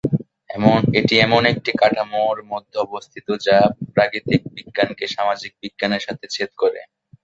এটি এমন একটি কাঠামোর মধ্যে অবস্থিত যা প্রাকৃতিক বিজ্ঞানকে সামাজিক বিজ্ঞানের সাথে ছেদ করে।